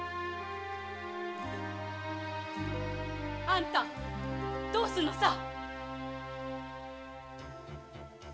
あんたどうするのさ？